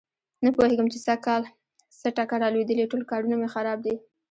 نه پوهېږم چې سږ کل څه ټکه را لوېدلې ټول کارونه مې خراب دي.